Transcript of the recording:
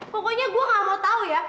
pokoknya gue gak mau tahu ya